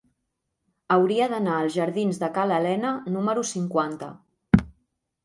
Hauria d'anar als jardins de Ca l'Alena número cinquanta.